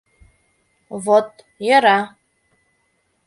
— Вот йӧра!